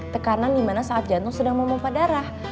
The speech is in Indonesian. tekanan dimana saat jantung sedang memumpah darah